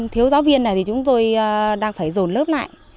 thiếu giáo viên này thì chúng tôi đang phải dồn lớp lại